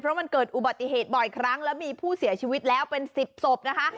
เพราะมันเกิดอุบัติเหตุบ่อยครั้งแล้วมีผู้เสียชีวิตแล้วเป็น๑๐ศพนะคะ